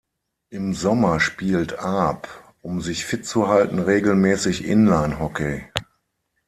Im Sommer spielt Aab, um sich fit zu halten, regelmäßig Inlinehockey.